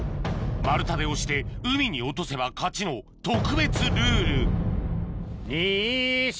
丸太で押して海に落とせば勝ちの特別ルールにし。